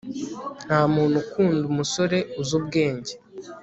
ntamuntu ukunda umusore uzi ubwenge